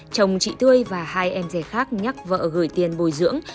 chồng chị tươi và hai em dê khác nhắc vợ gửi tiền bồi dưỡng